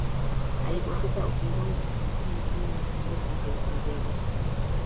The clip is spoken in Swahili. Alipofika ukingoni akamtoa majini na kumbeba mzegamzega